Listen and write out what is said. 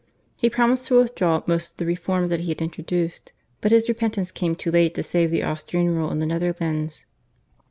He promised to withdraw most of the reforms that he had introduced, but his repentance came too late to save the Austrian rule in the Netherlands.